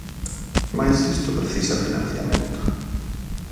Mais isto precisa financiamento.